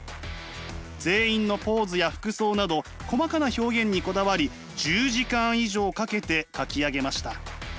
全員のポーズや服装など細かな表現にこだわり１０時間以上かけて描き上げました。